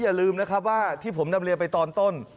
อย่าลืมนะครับว่าที่ผมนำเรียนไปตอนต้น